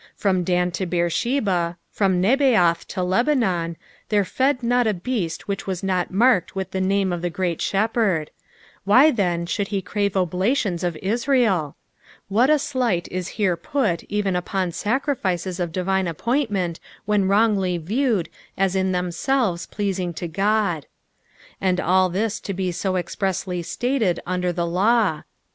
From Don to Beeraheba, from Nebaioth to Lebanon, there fed not » beast which was not marked with the name of the great Shepherd ; why, then, should he crave oblations of Israel t What a sli^t is hero put even upoa sacrifices of divine appointment when wrongly viewed as in themselves pleaaing to Qod I And all tlna to be so expressly stated under the law